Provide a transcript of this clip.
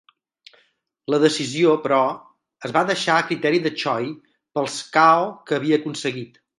La decisió, però, es va deixar a criteri de Choi pels KO que havia aconseguit.